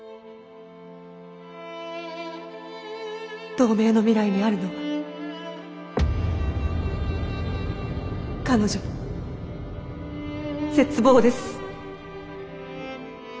同盟の未来にあるのは彼女の絶望です。